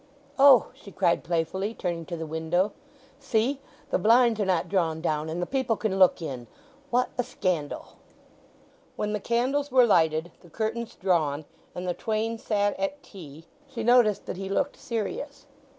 "Oh!" she cried playfully, turning to the window. "See—the blinds are not drawn down, and the people can look in—what a scandal!" When the candles were lighted, the curtains drawn, and the twain sat at tea, she noticed that he looked serious.